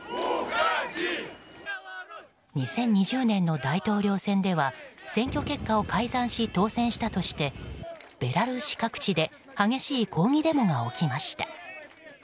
２０２０年の大統領選では選挙結果を改ざんし当選したとしてベラルーシ各地で激しい抗議デモが起きました。